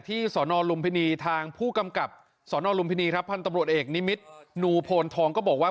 สอนอลุมพินีทางผู้กำกับสนลุมพินีครับพันธุ์ตำรวจเอกนิมิตรนูโพนทองก็บอกว่า